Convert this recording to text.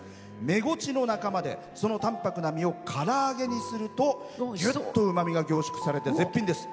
メゴチの仲間で淡泊な身はから揚げにするとぎゅっとうまみが凝縮されて絶品です。